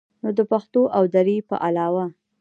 نو د پښتو او دري په علاوه